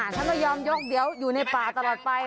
ฉันก็ยอมยกเบี้ยวอยู่ในป่าตลอดไปนะ